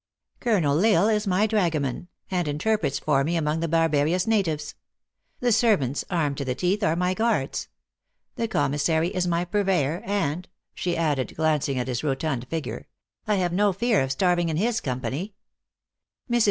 Colonel L Isle is my dragoman, and interprets for me among the barbarous natives. The servants, armed to the teeth, are my guards. The commissary is my purveyor, and " she added, glancing at his rotund figure, " I have no fear of starving in his company. Mrs.